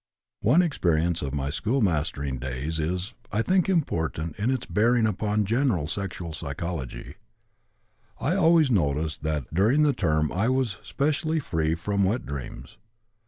"One experience of my schoolmastering days is, I think, important in its bearing upon general sexual psychology. I always noticed that during the term I was specially free from 'wet dreams.'